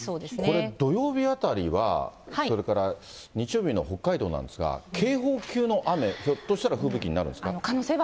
これ、土曜日あたりは、それから日曜日の北海道なんですが、警報級の雨、ひょっとしたら吹雪になるんですか？